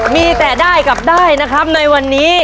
มีแต่ได้กับได้นะครับในวันนี้